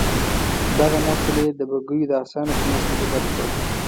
دغه نسل یې د بګیو د اسانو په نسل بدل کړ.